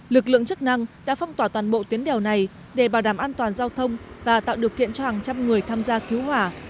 lực lượng chức năng đã phong tỏa toàn bộ tuyến đèo này để bảo đảm an toàn giao thông và tạo điều kiện cho hàng trăm người tham gia cứu hỏa